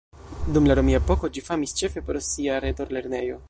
Dum la romia epoko ĝi famis ĉefe pro sia retor-lernejo.